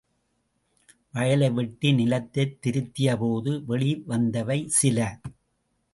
வயலை வெட்டி நிலத்தைத் திருத்தியபோது வெளிவந்தவை சில.